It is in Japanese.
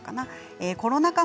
コロナ禍